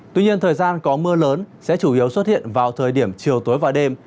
tuy nhiên thời gian có mưa lớn sẽ chủ yếu xuất hiện vào thời điểm chiều tối và đêm